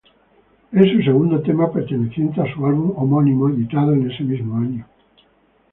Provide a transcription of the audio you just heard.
Es su segundo tema perteneciente a su álbum homónimo editado en ese mismo año.